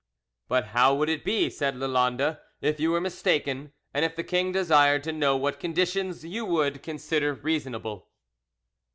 "But how would it be," said Lalande, "if you were mistaken, and if the king desired to know what conditions you would consider reasonable?"